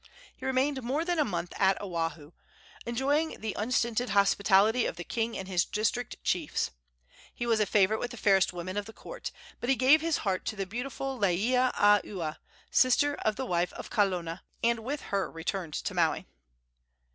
He remained more than a month on Oahu, enjoying the unstinted hospitality of the king and his district chiefs. He was a favorite with the fairest women of the court; but he gave his heart to the beautiful Laiea a Ewa, sister of the wife of Kalona, and with her returned to Maui.